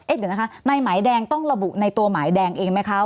เดี๋ยวนะคะในหมายแดงต้องระบุในตัวหมายแดงเองไหมคะ